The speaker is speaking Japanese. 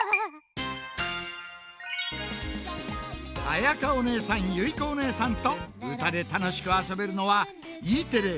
あやかおねえさんゆいこおねえさんとうたでたのしくあそべるのはＥテレ